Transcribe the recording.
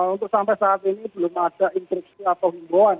untuk sampai saat ini belum ada infriksi atau imbauan